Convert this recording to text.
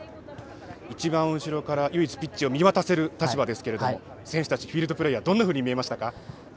一番後ろから唯一ピッチを見渡せる立場ですけれども、選手たちフィールドプレーヤーはどんなふうに見えましたか。